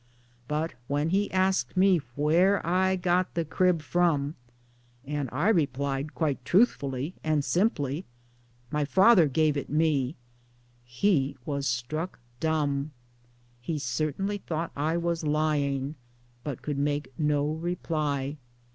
But when he asked me where I got the crib from, and I replied quite truthfully and simply " My father gave it me," he was struck dumb ! He certainly thought I was lying, but could make no reply.